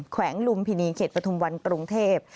แวงลุมพินีเขตปฐุมวันกรุงเทพ